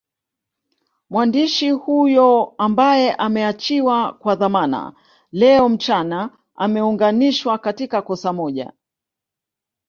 Mwandishi huyo ambaye ameachiwa kwa dhamana leo mchana ameungwanishwa katika kosa moj